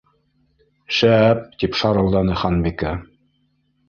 —Шәп! —тип шарылданы Ханбикә.